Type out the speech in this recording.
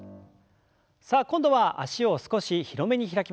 さあ今度は脚を少し広めに開きます。